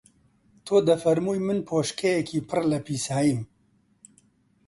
تۆ دەفەرمووی من بۆشکەیەکی پڕ لە پیساییم